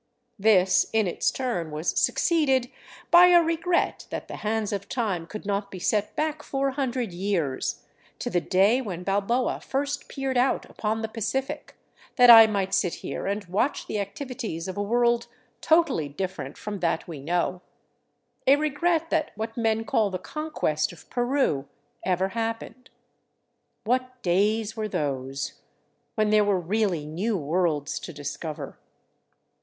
This in its turn was succeeded by a regret that the hands of time could not be set back 400 years, to the day when Balboa first peered out upon the Pacific, that I might sit here and watch the activities of a world totally dif ferent from that we know ; a regret that what men call the Conquest of Peru ever happened. What days were those, when there were really new worlds to discover!